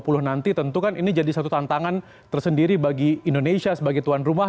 tapi pak tengku kalau kita menghubungkan g dua puluh nanti tentu menjadi satu tantangan tersendiri bagi indonesia atau bagi tuan rumah